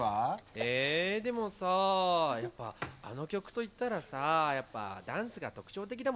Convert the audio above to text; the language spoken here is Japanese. えでもさやっぱあの曲といったらさやっぱダンスが特徴的だもんね。